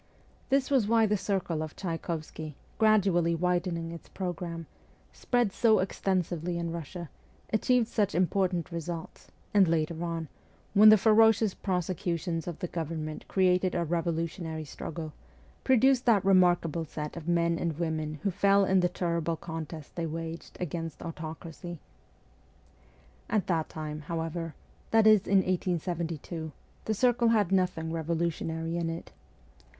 This was why the circle of Tchaykovsky, gradually widening its programme, spread so extensively in Russia, achieved such important results, and later on, when the ferocious prosecutions of the government created a revolutionary struggle, produced that remarkable set of men and women who fell in the terrible contest they waged against autocracy. At that time, however that is, in 1872 the circle had nothing revolutionary in it.